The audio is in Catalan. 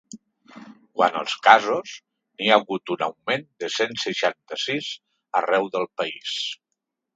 Quant als casos, n’hi ha hagut un augment de cent seixanta-sis arreu del país.